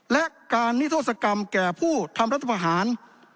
และการนิทธศกรรมแก่ผู้ทำรัฐประหาร